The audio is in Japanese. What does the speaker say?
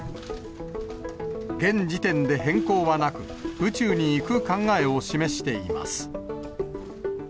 現時点で変更はなく、宇宙に行く考えを示しています。